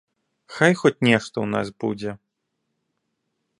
Хай хоць нешта ў нас будзе!